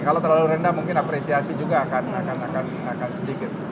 kalau terlalu rendah mungkin apresiasi juga akan sedikit